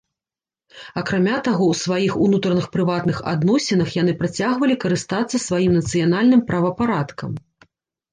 Акрамя таго, у сваіх унутраных прыватных адносінах яны працягвалі карыстацца сваім нацыянальным правапарадкам.